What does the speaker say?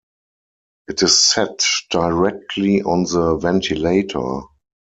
It is set directly on the ventilator.